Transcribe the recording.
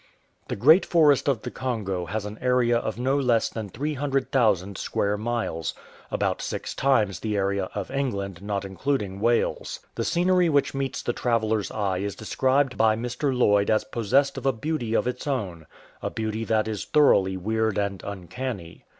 The Great Forest of the Congo has an area of no less than 300,000 square miles — about six times the area of England not including Wales. The scenery which meets the traveller's eye is described by Mr. Lloyd as possessed of a beauty of its own — a beauty that is thoroughly weird and uncanny.